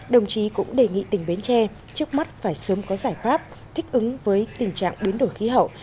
đồng chí cũng đề nghị tỉnh bến tre trước mắt phải sớm có giải pháp thích ứng với tình trạng biến đổi khí hậu